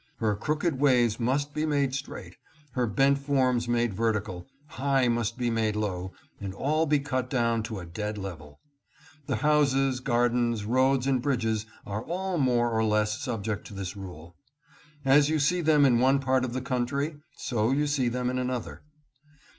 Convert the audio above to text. Her crooked ways must be made straight, her bent forms made vertical, high must be made low, and all be cut down to a dead level. The houses, gardens, roads and bridges are all more or less 684 DIJON AND LYONS. subject to this rule. As you see them in one part of the country so you see them in another.